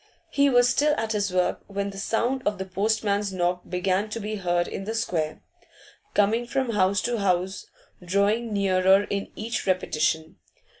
He was still at his work when the sound of the postman's knock began to be heard in the square, coming from house to house, drawing nearer at each repetition.